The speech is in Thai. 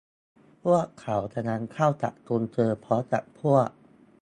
พวกเขากำลังเข้าจับกุมเธอพร้อมกับพวก